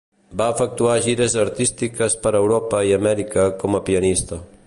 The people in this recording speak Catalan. Va efectuar gires artístiques per Europa i Amèrica com a pianista.